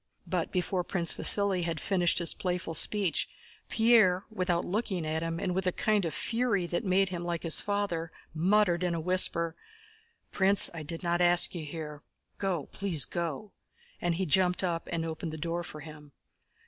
But before Prince Vasíli had finished his playful speech, Pierre, without looking at him, and with a kind of fury that made him like his father, muttered in a whisper: "Prince, I did not ask you here. Go, please go!" And he jumped up and opened the door for him.